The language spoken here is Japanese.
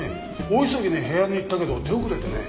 大急ぎで部屋に行ったけど手遅れでね。